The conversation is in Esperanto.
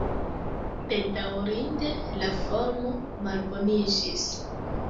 Bedaŭrinde, la formo malboniĝis.